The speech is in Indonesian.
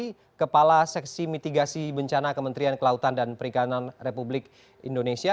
ini kepala seksi mitigasi bencana kementerian kelautan dan perikanan republik indonesia